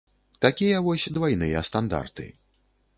Такія вось двайныя стандарты.